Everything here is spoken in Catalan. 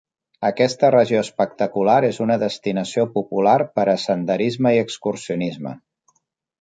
Aquesta regió espectacular és una destinació popular per a senderisme i excursionisme.